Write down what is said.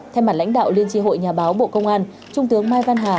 thay mặt lãnh đạo liên tri hội nhà báo bộ công an trung tướng mai văn hà